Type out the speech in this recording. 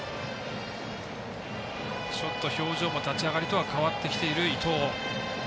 表情も立ち上がりとは変わってきている伊藤。